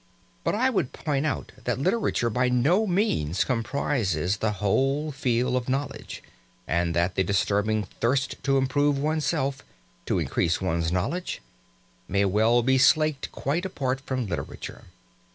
But I would point out that literature by no means comprises the whole field of knowledge, and that the disturbing thirst to improve one's self to increase one's knowledge may well be slaked quite apart from literature.